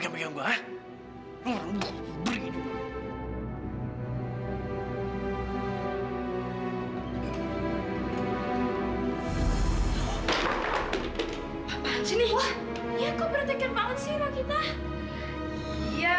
jadi aku melakukannya